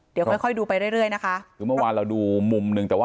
โดยค่อยดูไปเรื่อย